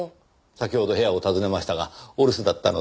先ほど部屋を訪ねましたがお留守だったので。